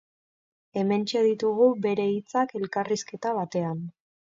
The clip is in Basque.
Hementxe ditugu bere hitzak elkarrizketa batean.